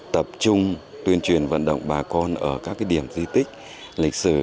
tập trung tuyên truyền vận động bà con ở các điểm di tích lịch sử